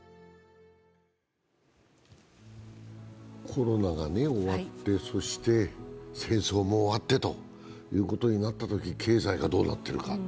コロナが終わって、そして戦争も終わってということになったとき経済がどうなっているか。